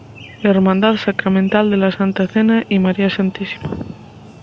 Hermandad Sacramental de la Santa Cena y María Stma.